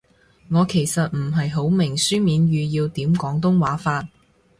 我其實唔係好明書面語要點廣東話法